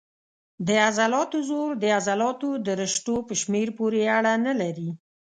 د عضلاتو زور د عضلاتو د رشتو په شمېر پورې اړه نه لري.